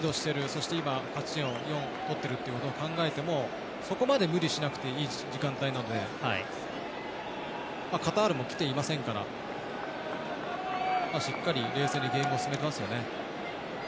そして、勝ち点４を取っているということを考えてもそこまで無理しなくていい時間帯なのでカタールもきていませんからしっかり冷静にゲームを進めてますよね。